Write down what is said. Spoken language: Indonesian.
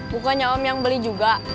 bukannya om yang beli juga